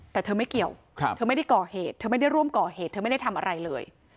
แต่เธอไม่เกี่ยวเธอไม่ได้ก่อเหตุเธอไม่ได้ร่วมก่อเหตุเธอไม่ได้ทำอะไรเลย